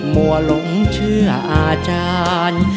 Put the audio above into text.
มั่วหลงเชื่ออาจารย์